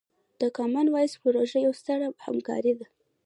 د کامن وایس پروژه یوه ستره همکارۍ ده.